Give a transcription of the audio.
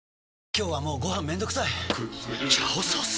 今日はもうご飯めんどくさい「炒ソース」！？